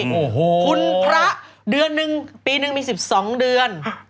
คุณพระปีนึงมี๑๒เดือน